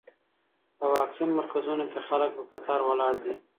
په واکسین مرکزونو کې خلک په کتار ولاړ دي.